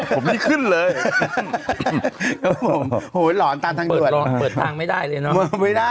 ครับผมโหหยร้อนตามทางด่วนเปิดทางไม่ได้เลยเนอะ